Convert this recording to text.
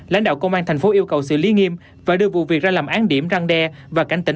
lãnh đạo công an thành phố yêu cầu xử lý nghiêm và đưa vụ việc ra làm án điểm răng đe và cảnh tỉnh